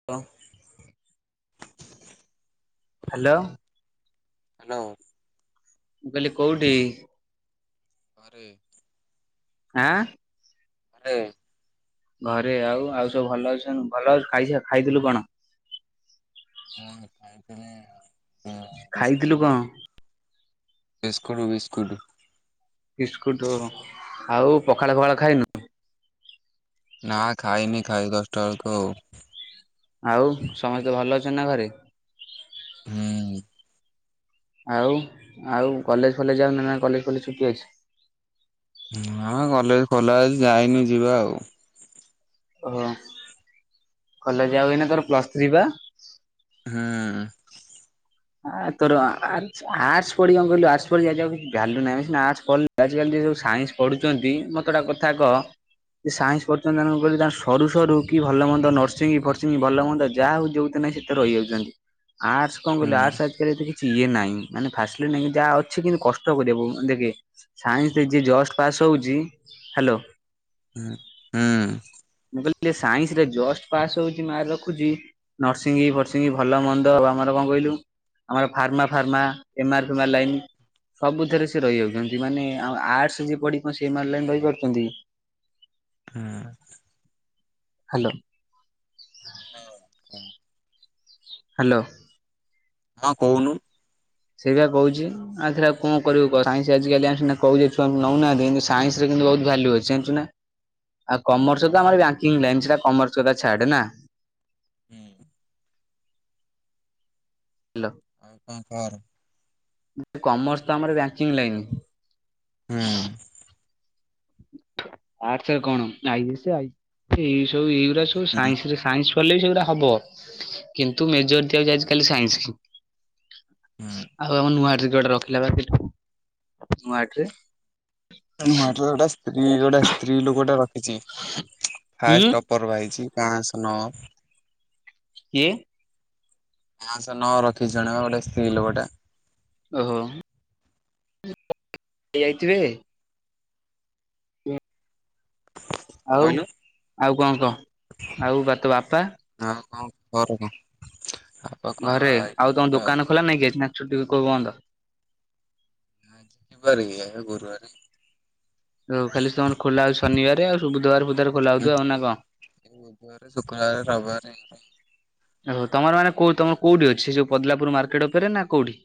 [unintelligible] Hello. Hello. ମୁଁ କହିଲି କୋଉଠି। ଘରେ। ଆଁ [unintelligible] ଘରେ ଆଉ ଆଉ ସବୁ ଭଲ ଅଛନ ଭଲ ଖାଇସା ଖାଇଥିଲୁ କଣ। ମୁଁ ଖାଇଥିଲି [unintelligible] ଖାଇଥିଲୁ ବିସ୍କୁଟୁ। କଣ ବିସ୍କୁଟୁ ମିସ୍କୁଟୁ। ବିସ୍କୁଟ ଆଉ ପଖାଳ ଫଖାଳ ହୁଁ। ଖାଇନୁ। ନା ଖାଇନି ଖାଇବି ଦଶଟା ବେଳୁକୁ ଆଉ। ଆଉ ସମସ୍ତେ ଭଲ ଅଛନ୍ତି ନା ଘରେ। ହୁଁ। ଆଉ ଆଉ କଲେଜ ଫଲେଜ ଯାଉନ ନା କଲେଜ ଫଲେଜ୍ ଛୁଟି ଅଛି। ହଁ ନା ମ କଲେଜ ଖୋଲା ଅଛି ଯାଇନି ଯିବା ଆଉ। ଓହୋ କଲେଜ ଆଉ ଏଇନା ତୋରୋ ପ୍ଲସ୍ ଥ୍ରୀ ପା। ହୁଁ। ଆ ତୋରୋ ଆର୍ଟ ପଢିକି କଁ କହିଲୁ ଆର୍ଟ [unintelligible] କିଛି ଭାଲ୍ୟୁ ନାହିଁ ଆମେ ସିନା ଆର୍ଟ ପଢି ଆଜିକାଲି ଯିଏ ସବୁ ସାଇନ୍ସ ପଢ଼ୁଚନ୍ତି ମତେ [unintelligible] କଥା କହ। ଯିଏ ସାଇନ୍ସ ପଢୁଚନ୍ତି ତାଙ୍କର କଁ କହିଲୁ ତାଙ୍କର ସରୁ ସରୁ କି ଭଲ ମନ୍ଦ ନର୍ସିଂ ଫର୍ସିଂ ଭଲ ମନ୍ଦ ଯାହା ହୋଉ ଯୋଉ [unintelligible] ରହିଯାଉଚନ୍ତି ଆର୍ଟ କଁ ହୁଁ [unintelligible] [unintelligible] କିଛି ଇଏ ନାଇଁ ମାନେ ଫାସଲିଟି ନାଇଁକି ଯାହା ଅଛି କିନ୍ତୁ କଷ୍ଟ କରିବାକୁ ଦେଖେ ସାଇନ୍ସରେ ଯିଏ ଜଷ୍ଟ ପାସ୍ ହୋଉଚି ହାଲୋ। ହୁଁ ହୁଁ। ମୁଁ କହିଲି [unintelligible] ସାଇନ୍ସ ରେ ଜଷ୍ଟ ପାସ୍ ହୋଉଚି ମାର୍ ରଖୁଚି ନର୍ସିଙ୍ଗି ଫର୍ସିଙ୍ଗି ଭଲ ମନ୍ଦ ଆଉ ଆମର କଁ କହିଲୁ। ଆମର ଫାର୍ମା ଫାର୍ମା ଏମାର ଫେମାର ଲାଇନ୍। ସବୁଥେରେ ସିଏ ରହିଯାଉଚନ୍ତି ମାନେ ଆଉ ଆର୍ଟ ଯିଏ ପଢିକି କଣ ସିଏ ଏମାର୍ ରହିପାରୁଚନ୍ତି କି। ହୁଁ। ହ୍ୟାଲୋ। ହଁ କୁମ୍ ହ୍ୟାଲୋ। ହଁ କହୁନୁ। ସେଇ ବା କହୁଛି। ଆଉଥରେ ଆଉ କଣ କରିବୁ କହ ସାଇନ୍ସ ଆଜି କାଲି ଆମେ ସିନା କହୁଚେ ଛୁଆ ନଉନାହାନ୍ତି କିନ୍ତୁ ସାଇନ୍ସରେ କିନ୍ତୁ ବହୁତ ଭ୍ୟାଲୁ ଅଛି ଜାଣିଛୁ ନା। ଆଉ କମର୍ସ ହଁ, ତ ଆମର ବ୍ୟାଙ୍କିଙ୍ଗ ଲାଇନ୍ ସେଟା କମର୍ସ କଥା ଛାଡେ ନା। ହୁଁ। ହାଲୋ। ଆଉ କଣ କର। କମର୍ସ ତ ଆମର ବ୍ୟାଙ୍କିଙ୍ଗ ଲାଇନ। ହୁଁ ଆର୍ଟସ୍ ରେ କଣ? ଆଇ ଏସ୍ ଆଇ ସବୁ ଏଇ ସବୁ ଏଇଗୁଡା ସବୁ ହୁଁ। ସାଇନ୍ସ୍ ରେ ସାଇନ୍ସ୍ ଚାଲେଇ ସେଗୁଡା ହବ, କିନ୍ତୁ ମେଜର ଦିଆଯାଇଛି ଖାଲି ସାଇନ୍ସ୍। ହୁଁ ଆଉ ଆମ ନୂଆ ଡିଗର ଟା ରଖିଲା ବା, ନୂଆଡିରେ ନ ଗୋଟା ସ୍ତ୍ରୀ ଗୋଟେ ସ୍ତ୍ରୀ ଲୋକଟା ରଖିଛି ହୁଁ ଫାଷ୍ଟ ଅ ପର୍ ବା ହେଇଛି କାଣାସ ନ କିଏ? ପାଅଂଶ ନ ରଖିଛି ଜଣେ ବା ଗୋଟେ ସ୍ତ୍ରୀ ଲୋକଟା। ଓହୋ। ଏ ଆଇ ଟି ରେ। ଆଉ, କହିଲୁ ଆଉ କଣ କହ? ଆଉ ବା ତୋ ବାପା? ଆଉ କଣ ଖବର କହ? ଘରେ, ଆଉ ତମ ଦୋକାନ ଖୋଲା ନାଇଁ କି ଆଜି? ନା ଛୁଟି ଲାଗି ବନ୍ଦ? ଆଜିି କି ବରେ କି? ଗୁରୁବାରେ। ଦ ଖାଲି ତମର ଖୋଲା ହୋଉଛି ଶନିବାରେ। ଆଉ ସବୁ ବୁଧବାର ବୁଦ୍ଧୁ ବରେ ଖୋଲା ହୋଉଥିବ ଆଉ ନା କଣ? ବୁଧବାରେ, ଶୁକ୍ରବାରେ, ରବିବରେ ଓହୋ। ତମର ମାନେ କୋଉ ତମର କୋଉଠି ଅଛି ସେ ପଦଲାପୁର ମାର୍କେଟ ଉପରେ ନା କୋଉଠି?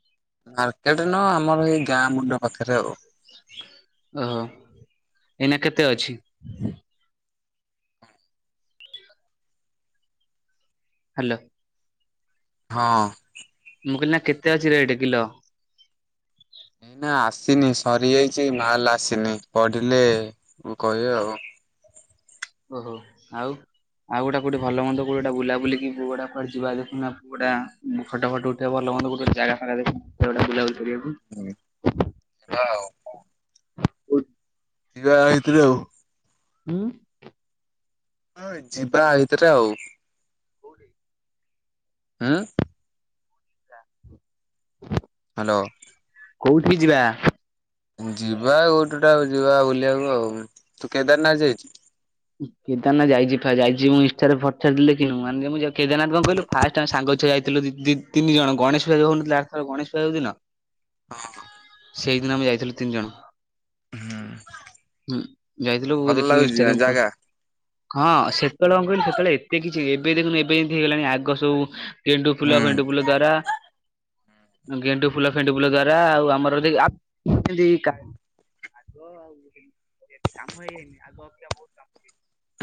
ମାର୍କେଟେ ନୁହଁ ଆମର ଏଇ ଗାଁ ମୁଣ୍ଡ ପାଖରେ ଆଉ। ଓହୋ। ଏଇନା କେତେ ଅଛି? ହାଲୋ। ହଁ। ମୁଁ କହିଲି ନା କେତେ ଅଛି ରେଟ୍ କିଲୋ? ନା ଆସିନି ସରିଯାଇଛି ମାଲ୍ ଆସିନି, ପଢିଲେ ମୁ କହିବି ଆଉ। ଓହୋ। ଆଉ ଆଉ ଗୋଟା କୋଉଠି ଭଲ ମନ୍ଦ କୋଉଟା ବୁଲାବୁଲି କି କୋଉଟା କୁଆଡେ ଯିବା [unintelligible] ଫଟୋ, ଫଟ ଉଠେଇବ ଭଲ ମନ୍ଦ କୋଉଠି ଗୋଟେ ଜାଗା ଫାଗା ଦେଖି କୁଆଡ଼େ ଗୋଟେ ବୁଲା ବୁଲି କରିବାକୁ। ହୁଁ, ହଁ। ହୁଁ। ଯିବା ହେଇଥିଲ। ଉଁ। ହଁ ଯିବା ଏଇ ଭିତରେ ଆଉ। କୋଉଠି? ଆ। ା [inaudible] ହାଲୋ। କୋଉଠି କି ଯିବା? ଯିବା ଆଉ କୋଉଠୁଟା ଆଉ ଯିବା ବୁଲିବାକୁ ଆଉ। ତୁ କେଦାରନାଥ ଯାଇଛୁ? କେଦାରନାଥ୍ ଯାଇଛି, ଯାଇଛି। ମୁଁ ଇନ୍ଷ୍ଠାରେ ଫଟ୍ ଛାଡିଛି ଦେଖିନୁ? ମାନ୍ ମୁଁ କେଦାରନାଥ୍ କଣ କହିଲୁ? ଫାଷ୍ଟ ଆମେ ସାଙ୍ଗ ଛୁଆ ଯାଇଥିଲୁ ଦି-ଦି ତିନି ଜଣ। ଗଣେଶ ପୂଜା ଯୋଉ ହୋଉନଥିଲା ଆର ଥର ଗଣେଶପୂଜା ଯୋଉ ଦିନ ହଁ। ସେଇଦିନ ଆମେ ଯାଇଥିଲୁ ତିନି ଜଣ। ହୁଁ ହୁଁ ଯାଇଥିଲୁ ବୋଉ ଭଲ ଦେଖିବୁ ଲାଗୁଛି ଇନଷ୍ଟାରେ ଉପ ଜାଗା ହଁ ସେତେବେଳେ କଣ କହିଲି ସେତେବେଳେ ଏତେ କିଛି ଏବେ ଦେଖୁନୁ ଏବେ ଯେମିତି ହେଇଗଲାଣି ଆଗ ସବୁ। ଗେଣ୍ଡୁ ଫୁଲ ହୁଁ। ଭେଣ୍ଡୁ ଫୁଲ ଦ୍ଵାରା। ଗେଣ୍ଡୁ ଫୁଲ ଫେନ୍ଧୁ ଫୁଲ ଦ୍ଵାରା ଆଉ ଆମର ଦେଖ [unintelligible] ଆଗ ଆଉତି [unintelligible] କାମ ହେଇନି ଆଗ। କମ୍ପ୍ଲିଟ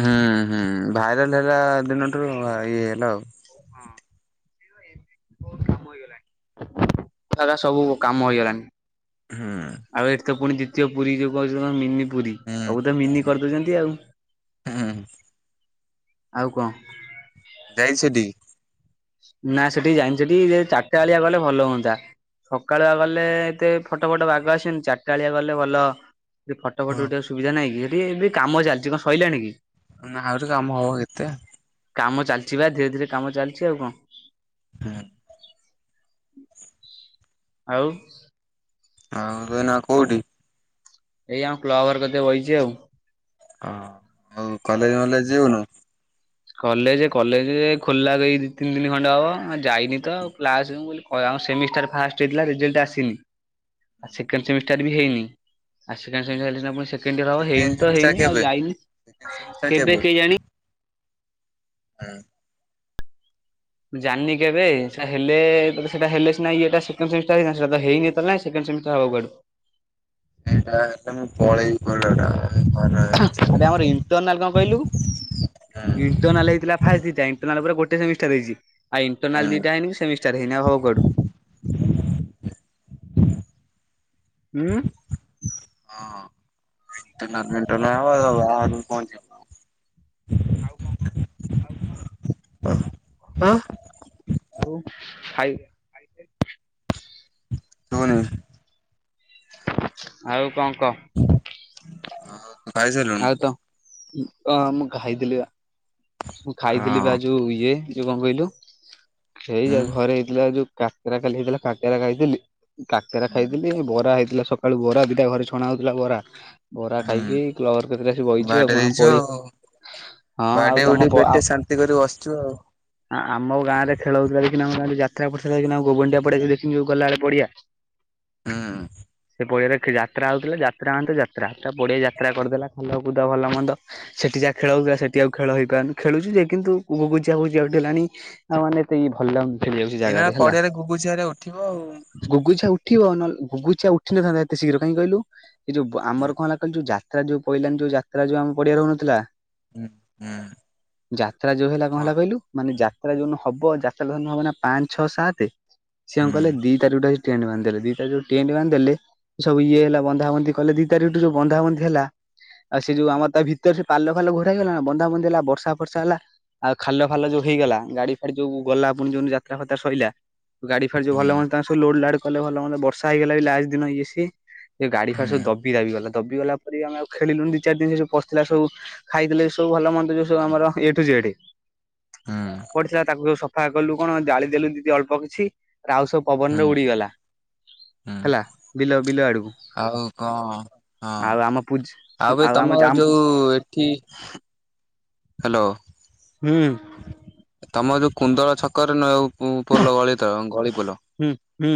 ହୁଁ ହୁଁ ଭାଇରାଲ ହେଲା ଦିନଠୁ ଇଏ ହେଲା ଆଉ। ହଁ ସେତ ଏ ବହୁତ କାମ ହେଇଗଲାଣି ଶେରା ସବୁ କାମ ହେଇଗଲାଣି। ହୁଁ। ଆଉ ଏଠି ତ ପୁଣି ଦ୍ଵିତୀୟ ପୁରୀ ଯୋଉ କହୁଛନ୍ତି କଣ ମିନି ପୁରୀ। ହୁଁ। ସବୁ ତ ମିନି କରିଦଉଛନ୍ତି ଆଉ ହୁଁ ହୁଁ ଆଉ କଣ। ଯାଇଚୁ ସେଠିକି? ନା ସେଠିକି ଯାଇନି ସେଠିକି ଯେ ଚାରିଟା ବେଳିଆ ଗଲେ ଭଲ ହୁଅନ୍ତା। ସକାଳୁଆ ଗଲେ ଏତେ ଫଟ ଫଟ ବାଘ ଆସନି ଚାରିଟାଳିଆ ଗଲେ ଭଲ। ସେଠି ଫଟୋ ଫଟ ଉଠେଇବାକୁ ସୁବିଧା ନାଇଁ କି ସେଠ ଏ ବି କାମ ଚାଲିଛି କଣ ସଇଲାଣିକି ନା ଆହୁରି କାମ ହବ କେତେ। କାମ ଚାଲିଛି ବା ଧୀରେ ଧୀରେ କାମ ଚାଲିଛି ଆଉ କଣ। ହଁ। ଆଉ। ଆଉ ତୁ ଏ ନା କୋଉଠି? ଏଇ ଆ କ୍ଲବ ଘର କତିରେ ବଇଚି ଆଉ। ଓ ଆଉ କଲେଜ ମଲେଜ ଯିବୁନୁ? କଲେଜ କଲେଜ ଏ ଖୋଲିଲାବେକୁ ଦି ତିନି ଦିନ ଖଣ୍ଡେ ହବ ଯାଇନି ତ ଆଉ କ୍ଲାସକୁ ମୁଁ କହିଲି ଓ ଆଉ ସେମିଷ୍ଟାର୍ ଫାଷ୍ଟ ହେଇଥିଲା ରେଜଲ୍ଟ ଆସିନି ଆ ସେକେଣ୍ଡ ସେମିଷ୍ଟାର ବି ହେଇନି। ଆ ସେକେଣ୍ଡ ସେମିଷ୍ଟର ହେଲେ ସିନା ପୁଣି ସେକେଣ୍ଡୟର ହବ ସେକେଣ୍ଡ ହେଇନି ତ ସେମିଷ୍ଟାର ହେଇନି ଆଉ କେବେ? ଯାଇନି ସେକେଣ୍ଡ ସେମିଷ୍ଟାର କେବେ କେଇଜାଣି। ହଁ। ଜାନି କେବେ ସିନା ହେଲେ ସେଟା ହେଲେ ସିନା ଇଏଟା ସେକେଣ୍ଡ ସେମିଷ୍ଟର ହେଇଥାନ୍ତା ସେତେଟା ତ ହେଇନି ଏତେବେଳେ ଯାଏ ସେକେଣ୍ଡ ସେମିଷ୍ଟର ହବ କୁଆଡୁ। ଏଇଟା ହେଲେ ମୁଁ ପଳେଇବି କୁଆଡେ ଗୋଟେ ଘରେ ରହି ଆରେ ଆମର ଇଣ୍ଟରନାଲ କଣ କହିଲୁ ଇନ୍ ହୁଁ ଇଣ୍ଟରନାଲ ହେଇଥିଲା ଫାର୍ଷ୍ଟ ଦିଟା ଇଣ୍ଟରନାଲ ପରେ ଗୋଟେ ସେମିଷ୍ଟର ହେଇଚି ଆଉ ଇଣ୍ଟରନାଲ ହୁଁ ଦିଟା ହେଇନି କି ସେମିଷ୍ଟ ଚାର ହେଇନି ହବ କୁଆଡୁ ଉଁ [unintelligible] ପହଞ୍ଚିବ ଆଉ କଣ କ ଆଉ କଣ? କହୁନୁ ହଁ ଆଉ ଖାଇ [unintelligible] ହଁ ନା ଆଉ କଣ କହ? କହ ଆଉ ତ ଅ ମୁଁ ଖାଇଥିଲି ବା ମୁଁ ଖାଇଥିଲି ହଁ ବା ଯୋଉ ଇଏ ଯୋଉ କଣ କହିଲୁ ସେଇଯା ଘରେ ହେଇଥିଲା ଯୋଉ କାକେରା କାଲି ହେଇଥିଲା କାକେରା ଖାଇଥିଲି। କାକେରା ହୁଁ ଖାଇଥିଲି ବରା ହେଇଥିଲା ସକାଳୁ ବରା ଦିଟା ଘରେ ଛଣା ହଉଥିଲା ବରା ବରା ହୁଁ। ଖାଇକି ଏଇ କ୍ଳବ୍ ଘର କତିରେ ଅସିକି ବଇଚି ଆଉ ବାଡେଇ କଣ ପଳେଇଆ ହଁ ଆଉ ତୁ ତମ ଟେ ପେଟେ ଶାନ୍ତି କରି ବସିଛୁ ଆଉ। ହଁ ଆମ ଗାଁରେ ଖେଳଉଥିଲା ଦେଖିନୁ ଆମ ଗାଁ ରେ ଯାତ୍ରା ପଡିଥିଲା ଦେଖିନୁ ଘୁଗୁଣ୍ଡିଆ ପଡିଆ ଯଉ ଦେଖିନୁ ଯୋଉ ଗଲାବେଳେ ପଡିଆ [inaudible] ହଁ। ପଇଆ ଯାତ୍ରା ହଉଥିଲା ଯାତ୍ରା ମାନେ ଯାତ୍ରା ପଡିଆ ଯାତ୍ରା କରିଦେଲା ଖାଲକୁୁଦ ଭଲ ମନ୍ଦ ସେଠି ଯା ଖେଳ ହଉଥିଲା ସେଠି ଆଉ ଖେଳ ହେଇ ଖେଳୁ ଯେ କିନ୍ତୁ ଜି ବୁଜିଠ ହେଲାଣି ଆଉ ମେ ଏତେଇ ଭଲ ଲାଗୁନି। ଖେଳିବାକୁ ସେ ଏଇନା ପଡିଆରେ ଗୁଘୁଝିଆରେ ଉଠିବ ଆଉ ଗୁଗୁଛିଆ ଉଠିବ ଗୁଗୁଛିଆ ଉଠିନଥାନ୍ତା ଏତେ ଶୀଘ୍ର କାହିଁ କହିଲୁ? ଏ ଯୋଉ ଆମର କଣ ହେଲା କହିଲୁ ଯୋଉ ଯାତ୍ରା ଯୋଉ ପହିଲାନି ଯୋଉ ଯାତ୍ରା ଯୋଉ ଆମ ପଡିଆ ହଉନଥିଲା। ହୁଁ ହୁଁ। ଯାତ୍ରା ଯୋଉ ହେଲା କଣ ହଁ ହେଲା କହିଲୁ ମାନେ ଯାତ୍ରା ଯୋଉ ହବ ଯାତ୍ରା ଧ ହବ ନା ପାଞ୍ଚ ଛଅ ସାତ ସିଏ ହୁଁ କଣ କଲେ ଦି ତାରିଖଟା ଟେଣ୍ଟ ବାନ୍ଧିଦେଲେ ଦି ତାରିଖ ଟେଣ୍ଟ ବାନ୍ଧି ଦେଲେ। ସବୁ ଇଏ ହେଲା ବନ୍ଧାବନ୍ଧି କଲେ ଦି ତାରିଖଠୁ ଯୋଉ ବନ୍ଧାବନ୍ଧି ହେଲା। ଆଉ ସେ ଯଉ ଆମର ତା ଭିତରେ ସେ ପାଲ ଫାଲ ଘର ହେଇଗଲା ନା ବନ୍ଧାବନ୍ଧି ହେଲା। ବର୍ଷା ଫର୍ଷା ହେଲା ଆଉ ଖାଲ ଫାଲ ଯୋଉ ହେଇଗଲା ଗାଡି ଫାଡି ଯୋଉ ଗଲା ପୁଣି ଯୋଉି ଯାତ୍ରା ଫାତ୍ରା ସଇଲା। ଗାଡି ଫାଡି ଭଲ ହୁଁ ମନ୍ଦ ତାଙ୍କ ସବୁ ଲୋଡ ଲାଡ କଲେ ଭଲ ମନ୍ଦ ବର୍ଷା ହେଇଗଲା ବି ଲାଷ୍ଟ ଦିନ ଇଏ ସିଏ ସେ ଗାଡି ଫାଡି ହୁଁ ସବୁ ଦବି ଦାବି ଗଲା। ଦବିଗଲା ପରେ ଆମେ ଆଉ ଖେଳିଲୁନି ଦି ଚାରି ଦିନ ସେ ସବୁ ପଡିଥିଲା ସବୁ ଖାଇଥିଲେ ସବୁ ଭଲ ମନ୍ଦ। ଯୋଉ ଆମର ଏ ଠୁ ଜେଡ୍ ହୁଁ ପଡିଥିଲା ତାକୁ ସବୁ ସଫା କଲୁ କଣ ଜାଳି ଦେଲୁ ଦିଦି ଅଳ୍ପ କିଛି ଆଉ ସବୁ ହୁଁ ପବନରେ ଉଡିଗଲା। ହୁଁ ହେଲା ବିଲ ବିଲ ଆଡକୁ। ଆଉ କଣ ହଁ। ଆଉ ଆମ ପୂଜ୍ ଆଉ ଏ ଆମ ତମର ଜାମ୍ ଯୋଉ ଏଠି ହ୍ୟାଲୋ। ହୁଁ। ତମ ଯୋଉ କୁନ୍ଦଳ ଛକରେ ପୋଲ ଗଳି ତ ଗଳି ପୋଲ। ହୁଁ ହୁଁ।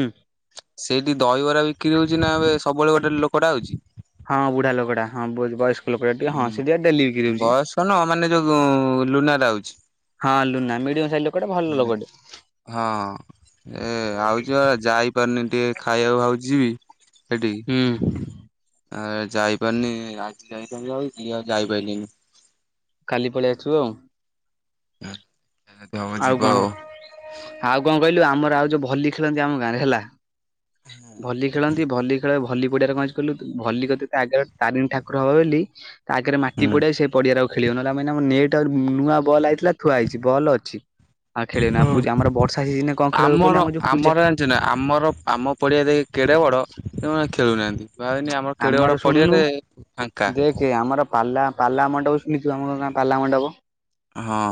ସେଇଠି ଦହିବରା ବିକ୍ରି ହଉଛି ନା ଏବେ ସବୁବେଳେ ଗୋଟେ ଲୋକଟା ଆଉଛି। ହଁ ବୁଢା ଲୋକଟା ବୟସ୍କ ଲୋକଟା ଟିକେଁ ସେ ହଁ ଟିକେ ଡେଲି ବିକ୍ରି ହଉଛି। ବୟସ ନ ମାନେ ଯୋଉ ଲୁନାରେ ଆଉଚ୍ଛି। ହଁ ଲୁନା ମିଡିୟମ ସାଇଜ୍ ଲୋକଟେ ଭଲ ଲୋକଟେ। ହଁ ଏ ଆଉ ଯ ଯାଇ ଯାଇପାରୁନି ଟିକେ ଖାଇବାକୁ ଭାବଛିିବି ସେଠିକି। ହୁଁ। ଆ ଯାଇପାରିନି ଆଜି ଯାଇଥାନ୍ତି ଆଉ କି ଆଉ ଯାଇପାରିଲିନି। କାଲି ପଳେଇ ଆସିବୁ ଆଉ ଯଦି ହବ ଆଉ ଯିବା କଣ ଆଉ କଣ କହିଲୁ ଆମର ଆଉ ଯୋଉ ଭଲି ଖେଳନ୍ତି ଆମ ଗାଁରେ ହେଲା। ଭଲି ଖେଳନ୍ତି ଭଲି ଖେଳ ଭଲି ପଡିଆ କଣ ହେଇଛି କହିଲୁ ଭଲି କ ଆଗରେ ତାରିଣ ଠାକୁର ହବ ବୋଲି। ତା ଆଗରେ ମାଟି ହୁଁ ପଡିଆ ସେ ପଡିଆରେ ଆଉ ଖେଳି ହେବନି ମାନ ଆମର ନେଟ ଆଉ ନୂଆ ବଲ୍ ଆଇଥିଲା। ଥୁଆ ହେଇଛି ବଲ ଅଛି ଆଉ ଖେଳି ହେବନି ଆମର ବର୍ଷା ସିଜନରେ କଣ ଖେଳିବ ଆମର କହିଲେ ଆମ ଯୋଉ ପୁଜା ଆମର ଜାଣିଚ ଆମର ଆମ ପଡ଼ିଆ ଯେ କେଡ଼େ ବଡ଼ ସେମାନେ ଖେଳୁନାହାଁନ୍ତି ଭାବେନି ଆ ଆମର କେଡ଼ ବଡ଼ ପଡ଼ିଆରେ ଫାଙ୍କା କି ଆମର ପାଲା ପାଲା ମଣ୍ଡପ ଶୁଣିିଥୁବ ଆମ ଗାଁ ପାଲା ମଣ୍ଡପ। ହଁ।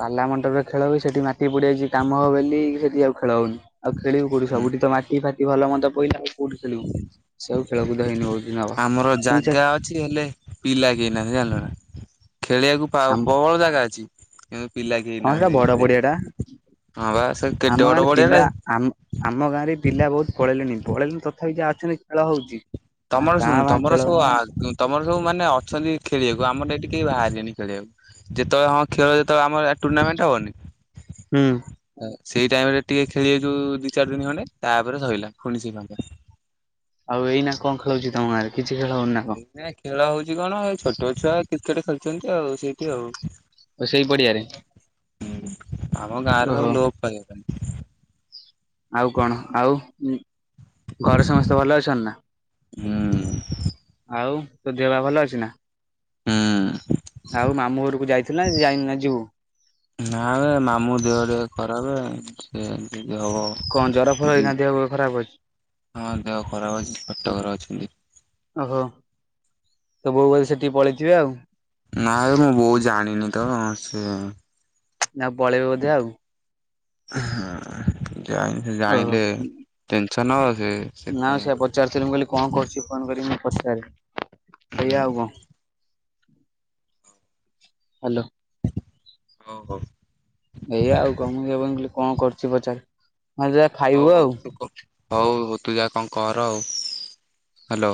ପାଲା ମଣ୍ଡପରେ ଖେଳ ହୁଏ ବି ସେଠି ମାଟି ପଡିଯାଇଛି କାମ ବୋଲି ସେଠି ଆଉ ଖେଳ ହଉନି ଆଉ ଖେଳିବୁ କୋଉଠି ସବୁଠି ତ ମାଟି ଫାଟି ଭଲ ମନ୍ଦ ପିଲା ଆଉ କୋଉଠି ଖେଳିବୁ? ଖେଳକୁଦ ହେଇନି ବହୁତ ଦିନ ହବ। ଆମର ତୁ ଜାଗା ଅଛି ହେଲେ ପିଲା କେହି ନାହାନ୍ତି ଜାଣିଲୁ ନା ଖେଳିବାକୁ। ଆମ ପ୍ରବଳ ଜାଗା ଅଛି କିନ୍ତୁ ପିଲା କେହି ହଁ ସେଟା ହେଇନାହାନ୍ତି ବଡ ପଡିଆ ଟା ଖେଳିବାକୁ। ହଁ ବା ସେ ଆମ କେଡେ ବଡ ଗାଁରେ ପଡିଆଟା? ପିଲା ଆମ ଆମ ଗାଁରେ ପିଲା ବହୁତ ପଳେଇଲେଣି ପଳେଇଲେଣି ତଥାପି ଯାହା ଅଛନ୍ତି ଖେଳ ହଉଛି। ଆ ତମର କାଁ ଶୁନ ଭାଁ ତମର ଖେଳ ସବୁ ଆଗ ତମର ସବୁ ମାନେ ଅଛନ୍ତି ଖେଳିବାକୁ ଆମର ଏଠି କେହି ବାହାରିବେନି ଖେଳିବାକୁ। ଯେତେବେଳେ ହଁ ଖେଳ ଯେତେବେଳେ ଆମର ଟୁର୍ଣ୍ଣାମେଣ୍ଟ ହବନି ହୁଁ ଅ ସେଇ ଟାଇମ୍ ରେ ଟିକେ ଖେଳିଲୁ ଦି ଚାରି ଦିନି ଖଣ୍ଡେ ତାପରେ ସରିଲା ଫୁଣି ସେ ଫାଙ୍କା ଆଉ ଏଇନା କଣ ଖେଳୁଛି ତମ ଗାଁ ରେ? କିଛି ଖେଳ ହୋଉନି ନା କଣ? ଇନା ଖେଳ ହୋଉଚି କଣ ଏ ଛୋଟ ଛୁଆ କ୍ରିକେଟ୍ ଖେଳୁଛନ୍ତି ଆଉ ସେଇଠି ଆଉ। ହଁ ଓ ସେଇ ପଡିଆରେ ଆମ ଗାଁରେ ସବୁ ଓହୋ ଲୋପ ପାଇଯାଇଚନ୍ତି। ଆଉ କଣ ଆଉ ଘରେ ସମସ୍ତେ ଭଲ ଅଛନ୍ତି ନା? ହୁଁ ଆଉ ତୋ ଦେହ ପା ଭଲ ଅଛି ନା? ହୁଁ ଆଉ ମାମୁଁ ଘରକୁ ଯାଇଥିଲୁନା ଆଜି ଯାଇନୁ ନା ଯିବୁ? ନା ବେ ମାମୁଁ ଦେହ ଟିକେ ଖରାପ ସେ କଣ ଜର ଫର [unintelligible] ହଁ ହେଇକିନା ଦେହ ଖରାପ ଅଛି ଦେହ ଖରାପ ଅଛି ସେ କଟକ ରେ ଅଛନ୍ତି। ଓ ହୋ ତୋ ବୋଉ ବୋଧେ ସେଠିକି ପଳେଇଥିବେ ଆଉ। ନାବେ ମୋ ବୋଉ ଜାଣିନି ତ ସିଏ ନା ପଳେଇବେ ବୋଧେ ଆଉ ହଁ ଜା ହେଲେ ସେ ଓହୋ ଜାଣିଲେ ଟେନସନ୍ ହବ ଯେ। ନା ସେୟା ପଚାରିଥିଲି ମୁଁ କହିଲି କଣ କରୁଚି ଫୋନ କରିକି ମୁଁ ପଚାରିବି ଏଇଆ ଆଉ ହୁଁ କଣ? ହ୍ୟାଲୋ ଓ ହୋ ଏଇଆ ଆଉ କଁ ମୁଁ [unintelligible] କଣ କରୁଚି ପଚାରେ ହଉ ତୁ ଯା ଖାଇବୁ ଆଉ। ହୋଉ ତୁ ଯା କଣ କର ଆଉ। ହାଲୋ